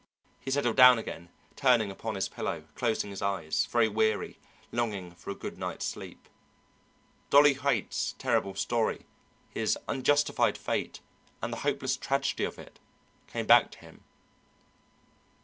He settled down again, turning upon his pillow, closing his eyes, very weary, longing for a good night's sleep. Dolly Haight's terrible story, his unjustified fate, and the hopeless tragedy of it, came back to him.